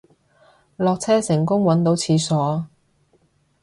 落車成功搵到廁所